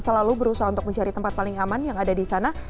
selalu berusaha untuk mencari tempat paling aman yang ada di sana